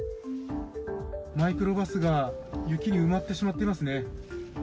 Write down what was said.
マイクロバスが雪に埋まってしまっていますね。